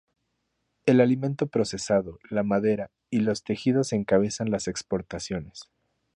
El alimento procesado, la madera, y los tejidos encabezan las exportaciones.